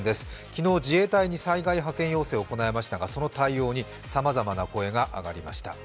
昨日、自衛隊に災害派遣要請を行いましたがその対応にさまざまな声が上がりました。